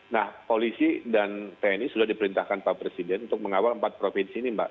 nah polisi dan tni sudah diperintahkan pak presiden untuk mengawal empat provinsi ini mbak